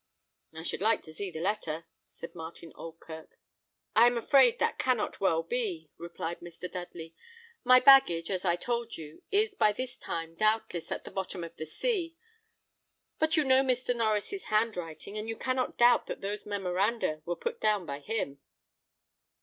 "I should like to see the letter," said Martin Oldkirk. "I am afraid that cannot well be," replied Mr. Dudley; "my baggage, as I told you, is by this time, doubtless, at the bottom of the sea; but you know Mr. Norries's hand writing, and you cannot doubt that those memoranda were put down by him."